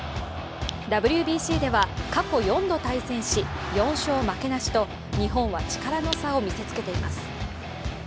ＷＢＣでは過去４度対戦し４勝負けなしと日本は、力の差を見せつけています。